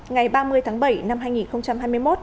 ngày ba mươi tháng bảy năm hai nghìn hai mươi một